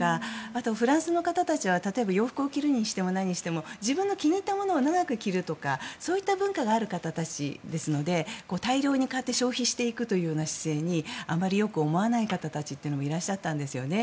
あと、フランスの方たちは例えば洋服に着るにしても何にしても自分の気に入ったものを長く着るとかそういった文化がある方たちですので大量に買って消費していくというような姿勢にあまりよく思わない方たちというのもいらっしゃったんですね。